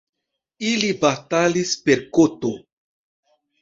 Ili batalis per koto.